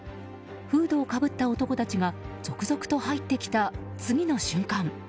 フードをかぶった男たちが続々と入ってきた次の瞬間